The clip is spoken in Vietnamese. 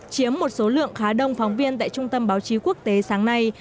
chiếm một số lượng khá đông phóng viên tại trung tâm báo chí quốc tế sáng nay